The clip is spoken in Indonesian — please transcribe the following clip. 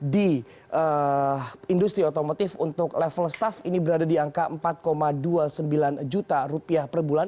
di industri otomotif untuk level staff ini berada di angka empat dua puluh sembilan juta rupiah per bulan